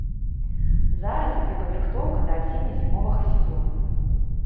Зараз ідзе падрыхтоўка да асенне-зімовага сезона.